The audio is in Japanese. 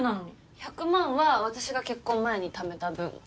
１００万は私が結婚前にためた分。